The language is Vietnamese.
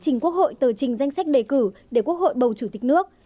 trình quốc hội tờ trình danh sách đề cử để quốc hội bầu chủ tịch nước